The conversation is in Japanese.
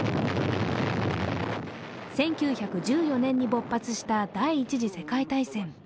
１９１４年に勃発した第一次世界大戦。